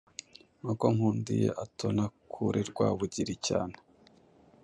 Nuko Nkundiye atona kuri Rwabugiri cyane